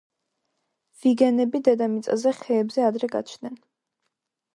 ვიგენები დედამიწაზე ხეებზე ადრე გაჩნდნენ.